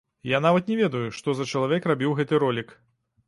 Я нават не ведаю, што за чалавек рабіў гэты ролік.